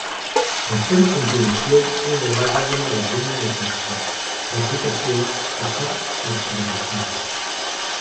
La seva composició és a base d'una resina epoxi, l'aplicació es fa per serigrafia.